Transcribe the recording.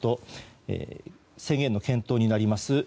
制限の検討になります